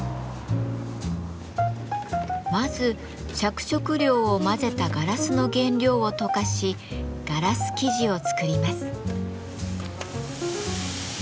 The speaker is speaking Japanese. まず着色料を混ぜたガラスの原料を溶かしガラス素地を作ります。